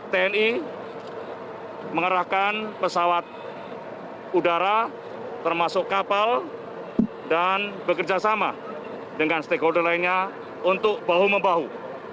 tni mengerahkan pesawat udara termasuk kapal dan bekerjasama dengan stakeholder lainnya untuk bahu membahu